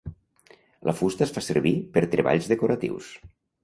La fusta es fa servir per treballs decoratius.